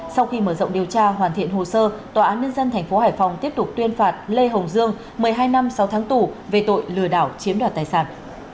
sau khi mở rộng điều tra hoàn thiện hồ sơ tòa án nhân dân tp hải phòng tiếp tục tuyên phạt lê hồng dương một mươi hai năm sáu tháng tù về tội lừa đảo chiếm đoạt tài sản